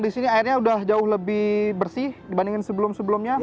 disini airnya udah jauh lebih bersih dibandingin sebelum sebelumnya